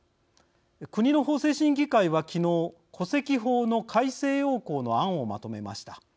国の法制審議会は昨日戸籍法の改正要綱の案をまとめました。